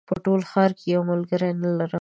په ټول ښار کې یو ملګری نه لرم